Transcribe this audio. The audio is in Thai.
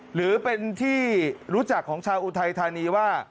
หรือเป็นที่รู้จักของชาวอุทัยธานีว่า